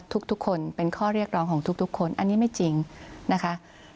ทุกคนเป็นข้อเรียกร้องของทุกคนอันนี้ไม่จริงนะคะ